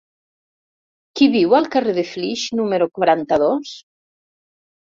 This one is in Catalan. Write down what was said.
Qui viu al carrer de Flix número quaranta-dos?